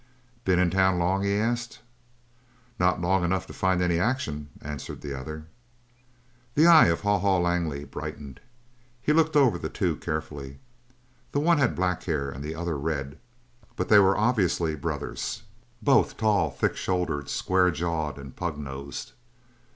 "Ben in town long?" he asked. "Not long enough to find any action," answered the other. The eye of Haw Haw Langley brightened. He looked over the two carefully. The one had black hair and the other red, but they were obviously brothers, both tall, thick shouldered, square jawed, and pug nosed.